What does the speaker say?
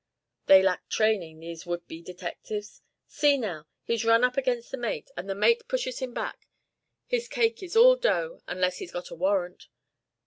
They lack training, these would be detectives. See, now! He's run up against the mate, and the mate pushes him back. His cake is all dough, unless he's got a warrant.